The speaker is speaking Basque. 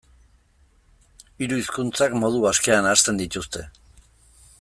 Hiru hizkuntzak modu askean nahasten dituzte.